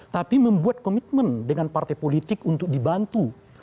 tapi membuat komitmen dengan partai politik untuk dibantu